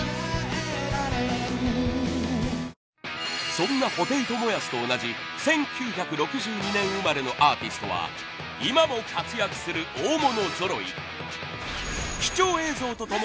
そんな布袋寅泰と同じ１９６２年生まれのアーティストは今も活躍する大物ぞろい！